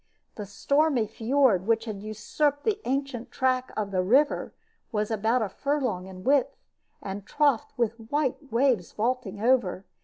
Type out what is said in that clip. The stormy fiord which had usurped the ancient track of the river was about a furlong in width, and troughed with white waves vaulting over.